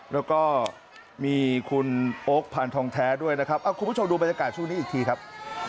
แล้วก็มีคุณโอ๊คพานทองแท้ด้วยนะครับคุณผู้ชมดูบรรยากาศช่วงนี้อีกทีครับ